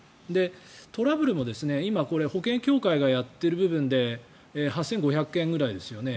トラブルも今保険医協会がやっている部分で８５００件くらいですよね。